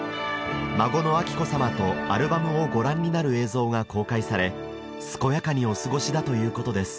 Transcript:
孫の彬子さまとアルバムをご覧になる映像が公開され健やかにお過ごしだということです